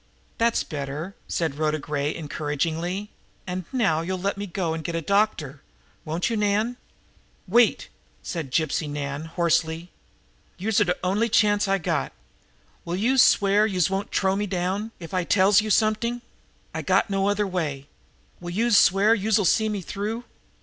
"That's better," said Rhoda Gray encouragingly. "And now you'll let me go and get a doctor, won't you, Nan?" "Wait!" said Gypsy Nan hoarsely. "Youse're de only chance I got. Will youse swear youse won't t'row me down if I tells youse somet'ing? I ain't got no other way. Will youse swear youse'll see me through?"